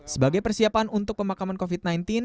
sebagai persiapan untuk pemakaman covid sembilan belas